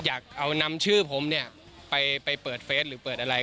อยากเอานำชื่อผมเนี่ยไปเปิดเฟสหรือเปิดอะไร